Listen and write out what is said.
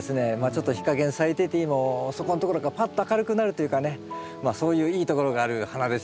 ちょっと日陰に咲いててもそこのところがパッと明るくなるというかねそういういいところがある花ですよね。